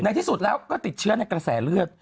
ที่สุดแล้วก็ติดเชื้อในกระแสเลือด